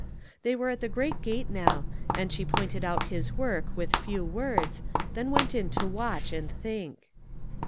They were at the great gate now, and she pointed out his work with few words, then went in to watch and think.